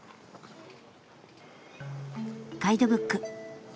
ガイドブック。